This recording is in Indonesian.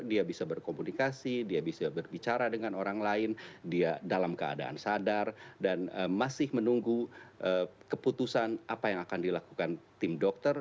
dia bisa berkomunikasi dia bisa berbicara dengan orang lain dia dalam keadaan sadar dan masih menunggu keputusan apa yang akan dilakukan tim dokter